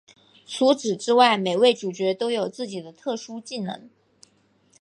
除此之外每位主角都有自己的特殊技能。